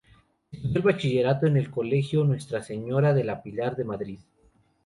Estudió el bachillerato en el colegio Nuestra Señora del Pilar de Madrid.